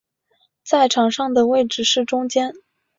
在场上的位置是中坚。